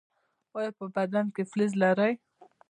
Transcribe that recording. ایا په بدن کې فلز لرئ؟